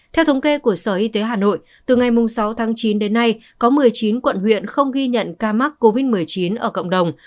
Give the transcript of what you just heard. theo thống kê của sở y tế hà nội từ ngày sáu tháng chín đến nay có một mươi chín quận huyện không ghi nhận ca mắc covid một mươi chín ở cộng đồng